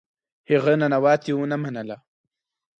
هغه ننواتې ونه منله.